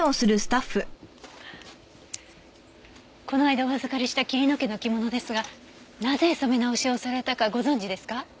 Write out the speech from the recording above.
この間お預かりした桐野家の着物ですがなぜ染め直しをされたかご存じですか？